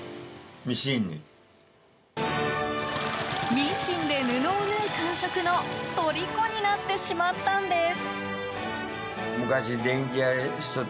ミシンで布を縫う感触のとりこになってしまったんです。